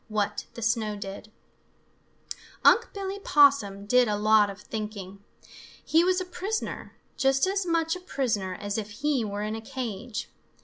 XIX WHAT THE SNOW DID Unc' Billy Possum did a lot of thinking. He was a prisoner, just as much a prisoner as if he were in a cage.